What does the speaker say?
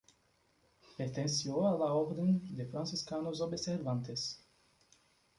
Perteneció a la orden de franciscanos observantes.